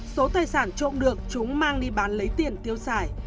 số tài sản trộm được chúng mang đi bán lấy tiền tiêu xài